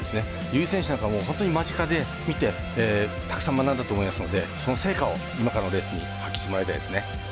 由井選手なんかは間近で見てたくさん学んだと思いますのでその成果を今からのレースに発揮してもらいたいですね。